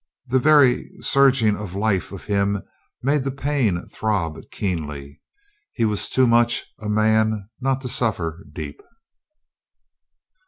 The very surging life of him made the pain throb keenly. He was too much a man not to suffer deep.